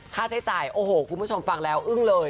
ค่าใช้จ่ายโอ้โหคุณผู้ชมฟังแล้วอึ้งเลย